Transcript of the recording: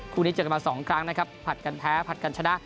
คู่นี้เจอกันมา๒ครั้งนะครับผลัดกันแพ้ผลัดกันชนะ